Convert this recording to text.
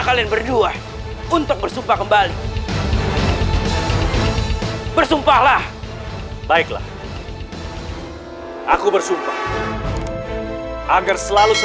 dan rela berkorban demi pajajaran